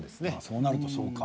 そうなるとそうか。